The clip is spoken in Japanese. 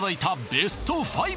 ベスト５